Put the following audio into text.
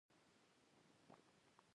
راکټ د بشري تمدن یوه بېساري لاسته راوړنه ده